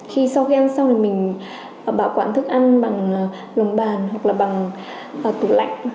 khi sau khi ăn xong thì mình bảo quản thức ăn bằng lồng bàn hoặc là bằng tủ lạnh